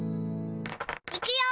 いくよ！